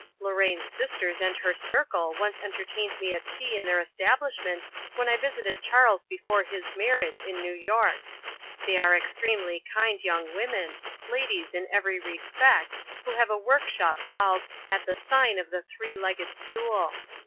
Lorraine's sisters and her circle once entertained me at tea in their establishment when I visited Charles before his marriage, in New York. They are extremely kind young women, ladies in every respect, who have a workshop called "At the Sign of the Three legged Stool."